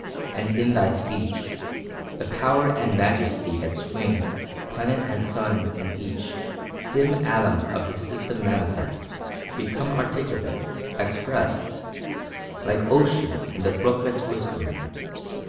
And in thy speech The power and majesty that swing Planet and sun, and each Dim atom of the system manifest, Become articulate, expressed Like ocean in the brooklet's whispering.